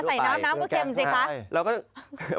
เอามาใส่น้ำน้ำก็เข็มสิคะ